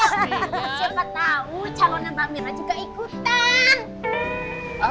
siapa tahu calonnya mbak mira juga ikutan